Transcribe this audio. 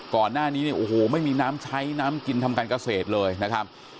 ก่อนหน้านี้ไม่มีน้ำใช้น้ำกินถ้ำกันเกษตรเลยนะครับ